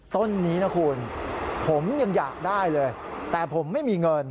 ต้นนี้นะคุณผมยังอยากได้เลยแต่ผมไม่มีเงิน